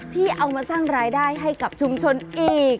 ที่เอามาสร้างรายได้ให้กับชุมชนอีก